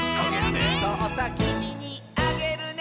「そうさきみにあげるね」